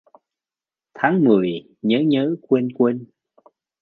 Tháng mười nhớ nhớ quên quên